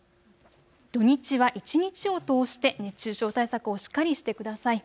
土日は一日を通して熱中症対策をしっかりしてください。